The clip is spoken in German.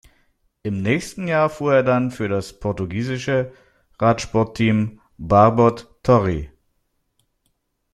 Im nächsten Jahr fuhr er dann für das portugiesische Radsportteam Barbot-Torrie.